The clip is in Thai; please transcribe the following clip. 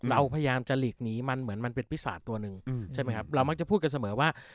เราพยายามจะหลีกหนีมันเหมือนมันเป็นพิศาจตัวหนึ่งใช่ไหมครับเรามักจะพูดกันเสมอว่า